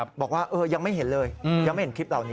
บอกว่ายังไม่เห็นเลยยังไม่เห็นคลิปเหล่านี้